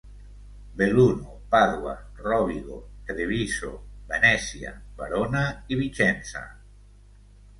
Belluno, Pàdua, Rovigo, Treviso, Venècia, Verona i Vicenza.